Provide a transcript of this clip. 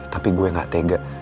tapi gue gak tega